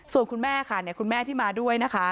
ส่วนคุณแม่ค่ะคุณแม่ที่มาด้วยนะคะ